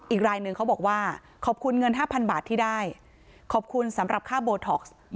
อีกรายหนึ่งเขาบอกว่าขอบคุณเงิน๕๐๐บาทที่ได้ขอบคุณสำหรับค่าโบท็อกซ์